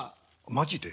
マジで？